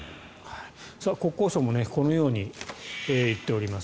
国交省もこのように言っています。